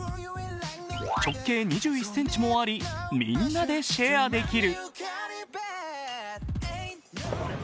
直径２１ｃｍもあり、みんなでシェアできる。